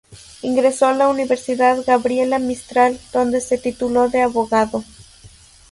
Ingresó a la Universidad Gabriela Mistral, donde se tituló de abogado.